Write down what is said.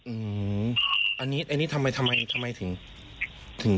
อืมอันนี้ทำไมถึง